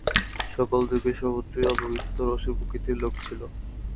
সকল যুগে সর্বত্রই অল্পবিস্তর অসুরপ্রকৃতির লোক ছিল।